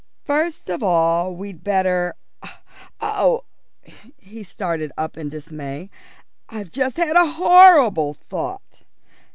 First of all we'd better Oh!" He started up in dismay. "I've just had a horrible thought.